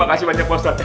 makasih banyak pak ustadz